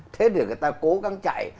thế thì người ta cố gắng chạy